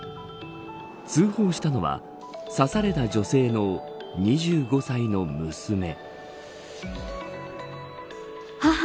通報したのは刺された女性の２５歳の娘。